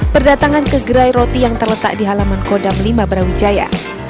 berdatangan ke gerai roti yang terletak di halaman kodam lima brawijaya